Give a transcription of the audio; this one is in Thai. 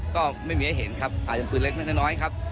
ก็ไม่มีที่จะเห็นครับอาจจะเป็นปืนเล็กน้อยครับ